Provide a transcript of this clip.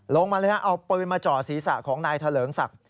ลงมาเลยนะเอาปืนมาจอศีรษะของนายทะเลิงสัก